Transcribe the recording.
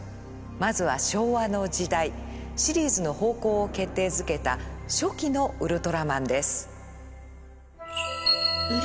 まずは昭和の時代シリーズの方向を決定づけた初期の「ウルトラマン」です。